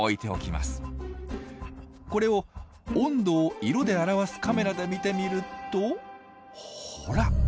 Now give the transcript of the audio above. これを温度を色で表すカメラで見てみるとほら。